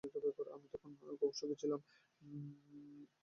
আমি তখন খুব সুখী ছিলাম।